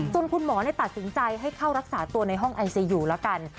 คุณหมอตัดสินใจให้เข้ารักษาตัวในห้องไอซียูแล้วกัน